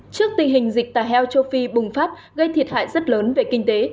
trước tình hình dịch tà heo châu phi bùng phát gây thiệt hại rất lớn về kinh tế